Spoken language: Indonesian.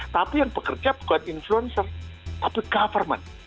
tapi yang bekerja bukan influencer covid government